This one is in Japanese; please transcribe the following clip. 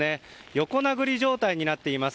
横殴り状態になっています。